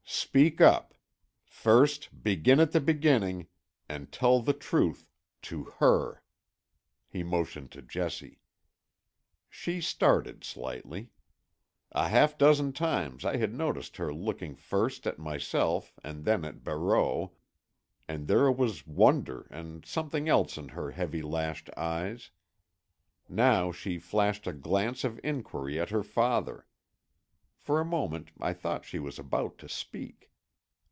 Speak up. First begin at the beginning, and tell the truth—to her." He motioned to Jessie. She started slightly. A half dozen times I had noticed her looking first at myself and then at Barreau, and there was wonder and something else in her heavy lashed eyes. Now she flashed a glance of inquiry at her father. For a moment I thought she was about to speak.